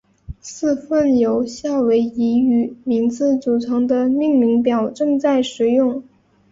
四份由夏威夷语名字组成的命名表正在使用。